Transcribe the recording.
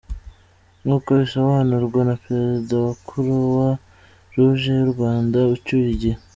Nk’uko bisobanurwa na Perezida wa kuruwa ruje y’u Rwanda ucyuye igihe .